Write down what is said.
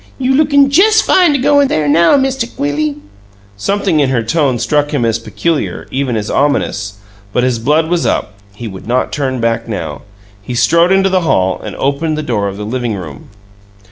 You lookin' jes' fine to go in there now, Mist' Willie!" Something in her tone struck him as peculiar, even as ominous, but his blood was up he would not turn back now. He strode into the hall and opened the door of the "living room."